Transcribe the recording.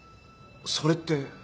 それって。